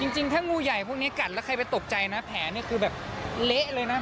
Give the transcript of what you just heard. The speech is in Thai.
จริงถ้างูใหญ่พวกนี้กัดแล้วใครไปตกใจนะแผลนี่คือแบบเละเลยนะ